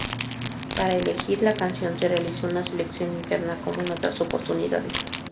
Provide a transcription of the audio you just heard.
Para elegir la canción se realizó una selección interna como en otras oportunidades.